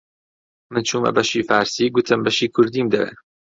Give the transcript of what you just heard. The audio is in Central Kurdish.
من چوومە بەشی فارسی، گوتم بەشی کوردیم دەوێ